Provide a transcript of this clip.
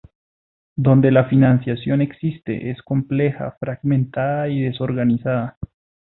Donde la financiación existe, es compleja, fragmentada y desorganizada.